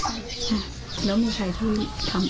พี่น้องของผู้เสียหายแล้วเสร็จแล้วมีการของผู้เสียหาย